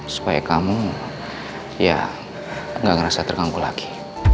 supaya kamu ya nggak ngerasa terganggu lagi